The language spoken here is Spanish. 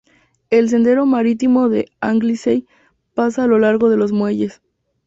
El Sendero Marítimo de Anglesey pasa a lo largo de los muelles.